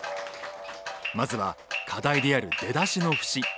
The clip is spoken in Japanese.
まずは課題である出だしの節。